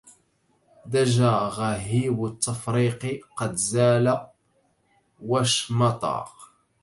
دجى غيهب التفريق قد زال واشمطا